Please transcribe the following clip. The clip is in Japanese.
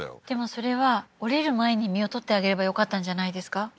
でもそれは折れる前に実を採ってあげればよかったんじゃないですか？